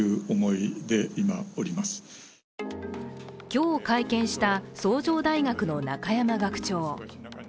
今日会見した崇城大学の中山学長。